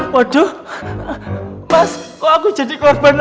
waduh mas kok aku jadi korban lagi sih